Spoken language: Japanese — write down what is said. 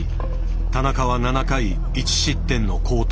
田中は７回１失点の好投。